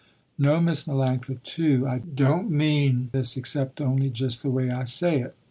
No, Miss Melanctha too, I don't mean this except only just the way I say it.